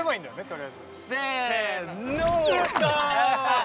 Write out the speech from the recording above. とりあえずせーの！